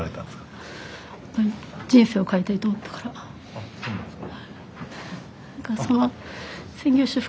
あっそうなんですか？